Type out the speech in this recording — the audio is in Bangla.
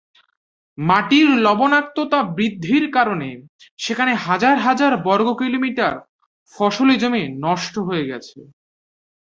মাটির লবণাক্ততা বৃদ্ধির কারণে সেখানে হাজার হাজার বর্গকিলোমিটার ফসলি জমি নষ্ট হয়ে গেছে।